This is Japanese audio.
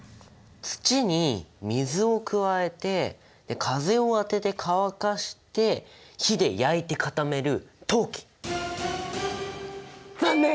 土に水を加えて風を当てて乾かして火で焼いて固める残念！